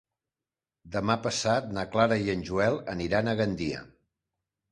Demà passat na Clara i en Joel aniran a Gandia.